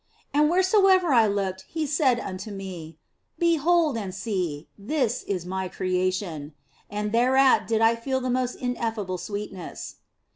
And wheresoever I looked He said unto me, " Behold and see, this is My creation," and thereat did I feel the most ineffable sweetness.